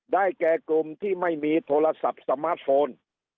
แก่กลุ่มที่ไม่มีโทรศัพท์สมาร์ทโฟน